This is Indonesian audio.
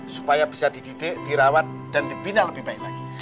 supaya bisa dididik dirawat dan dibina lebih baik lagi